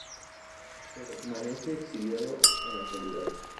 Permanece exiliado en la actualidad.